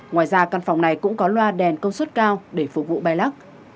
ngoài ra căn phòng này cũng có loa đèn công suất cao để phục vụ bay lắc